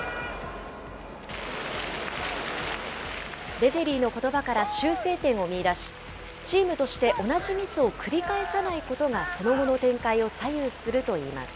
レフェリーのことばから修正点を見いだし、チームとして同じミスを繰り返さないことがその後の展開を左右するといいます。